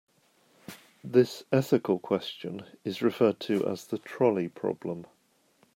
This ethical question is referred to as the trolley problem.